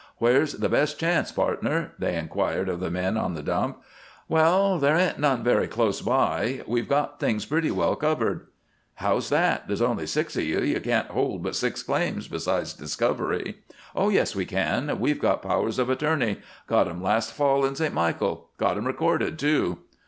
"Where's the best chance, pardner?" they inquired of the men on the dump. "Well, there ain't none very close by. We've got things pretty well covered." "How's that? There's only six of you; you can't hold but six claims, besides discovery." "Oh yes, we can! We've got powers of attorney; got 'em last fall in St. Michael; got 'em recorded, too."